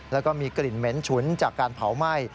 และก็มีกลิ่นเหม็นฉุนจากโผล่ไหม้